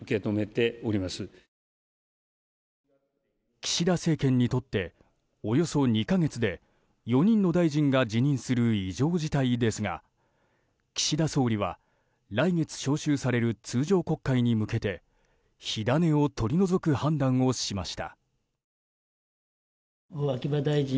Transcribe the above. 岸田政権にとっておよそ２か月で４人の大臣が辞任する異常事態ですが岸田総理は来月召集される通常国会に向けて火種を取り除く判断をしました。